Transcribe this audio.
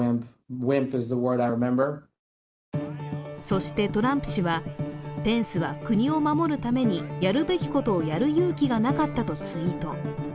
そしてトランプ氏は、ペンスは国を守るためにやるべきことをやる勇気がなかったとツイート。